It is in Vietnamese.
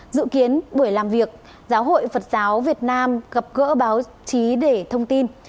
dự kiến buổi làm việc giáo hội phật giáo việt nam gặp gỡ báo chí để thông tin